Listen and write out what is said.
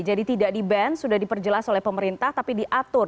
jadi tidak di ban sudah diperjelas oleh pemerintah tapi diatur